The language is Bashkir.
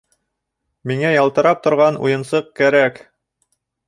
Миңә ялтырап торған уйынсыҡ кәрәк.